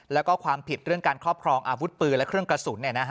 แล้วก็ความผิดเรื่องการครอบครองอาวุธปืนและเครื่องกระสุน